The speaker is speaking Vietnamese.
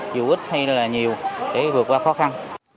dù ít hay là nhiều để vượt qua khó khăn